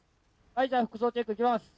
じゃあ服装チェックいきます。